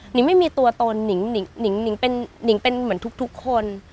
ไม่มีตัวตนหนิงเป็นเหมือนทุกคน